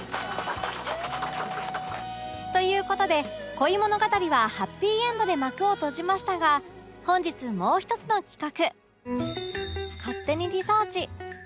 という事で恋物語はハッピーエンドで幕を閉じましたが本日もう一つの企画